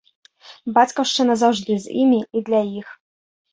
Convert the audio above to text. Бацькаўшчына заўжды з імі і для іх.